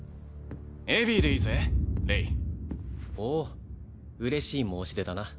エヴィでいいぜレイほう嬉しい申し出だな